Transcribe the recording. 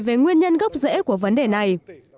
về nguyên nhân gốc rễ của vấn đề này